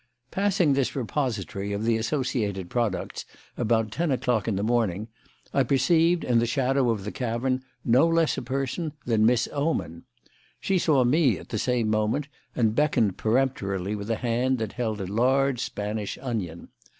Passing this repository of the associated products about ten o'clock in the morning, I perceived in the shadow of the cavern no less a person than Miss Oman. She saw me at the same moment, and beckoned peremptorily with a hand that held a large Spanish onion.